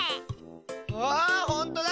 あほんとだ！